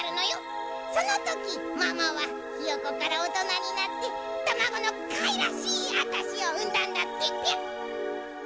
そのときママはひよこからおとなになってたまごのかわいらしいあたしをうんだんだってピャッ。